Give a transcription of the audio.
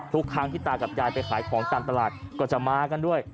ทุกครั้งที่ตากับยายไปขายของตามตลาดก็จะมากันด้วย